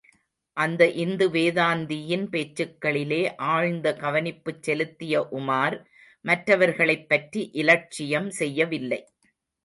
அந்த இந்து வேதாந்தியின் பேச்சுக்களிலே ஆழ்ந்த கவனிப்புச் செலுத்திய உமார், மற்றவர்களைப் பற்றி இலட்சியம் செய்யவில்லை.